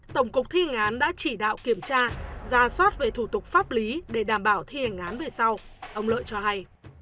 tổng cục thi hành án đã chỉ đạo kiểm tra ra soát về thủ tục pháp lý để đảm bảo thi hành án về sau ông lợi cho hay